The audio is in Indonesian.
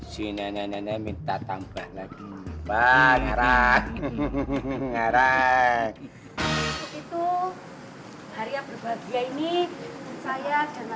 si nenek nenek minta tambah lagi bahagia rai itu hari yang berbahagia ini saya dan